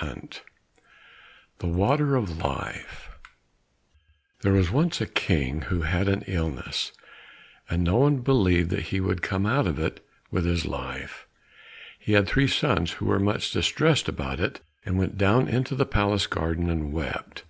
97 The Water of Life There was once a King who had an illness, and no one believed that he would come out of it with his life. He had three sons who were much distressed about it, and went down into the palace garden and wept.